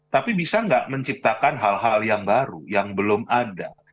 tapi bisa nggak menciptakan hal hal yang baru yang belum ada